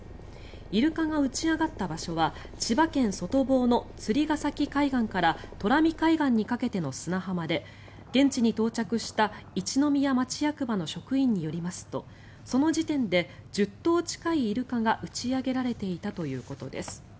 イルカが打ち上がった場所は千葉県外房の釣ケ崎海岸から東浪見海岸にかけての砂浜で現地に到着した一宮町役場の職員によりますとその時点で１０頭近いイルカが打ち上げられていたということです。